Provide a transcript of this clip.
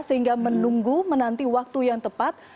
sehingga menunggu menanti waktu yang tepat